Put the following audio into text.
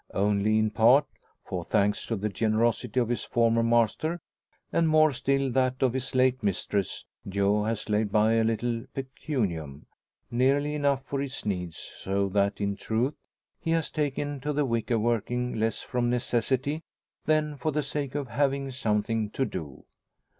Only in part; for, thanks to the generosity of his former master, and more still that of his late mistress, Joe has laid by a little pecunium, nearly enough for his needs; so that, in truth, he has taken to the wicker working less from necessity than for the sake of having something to do.